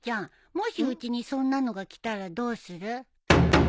もしうちにそんなのが来たらどうする？